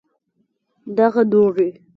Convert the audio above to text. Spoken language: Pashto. دغه دوړي